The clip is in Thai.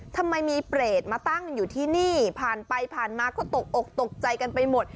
ทำไมมีเปรตมาตั้งอยู่ที่นี่ผ่านไปผ่านมาก็ตกอกตกใจกันไปหมด